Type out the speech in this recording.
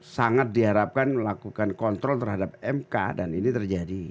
sangat diharapkan melakukan kontrol terhadap mk dan ini terjadi